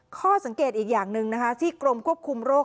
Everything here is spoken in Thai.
ข้อสังเกตอีกอย่างหนึ่งนะคะที่กรมควบคุมโรค